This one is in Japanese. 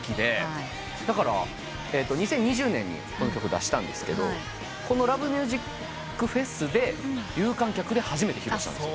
だから２０２０年にこの曲出したんですけどこの「ＬＯＶＥＭＵＳＩＣＦＥＳ」で有観客で初めて披露したんです。